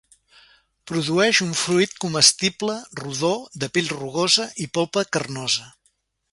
Produeix un fruit comestible, rodó, de pell rugosa i polpa carnosa.